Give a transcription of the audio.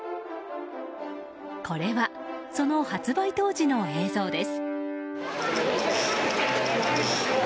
これは、その発売当時の映像です。